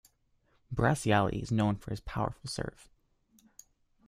Bracciali is known for his powerful serve.